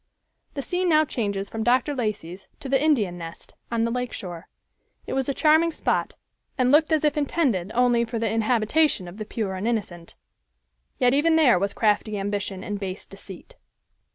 The scene now changes from Dr. Lacey's to the "Indian Nest," on the lake shore. It was a charming spot, and looked as if intended only for the inhabitation of the pure and innocent. Yet even there was crafty ambition and base deceit.